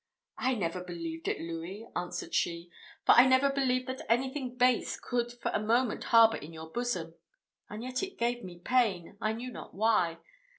"I never believed it, Louis," answered she; "for I never believed that anything base could for a moment harbour in your bosom; and yet it gave me pain, I knew not why.